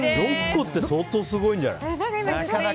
６個って相当すごいんじゃない？